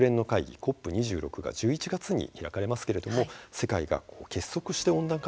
ＣＯＰ２６が１１月に開かれますけれども世界が結束して温暖化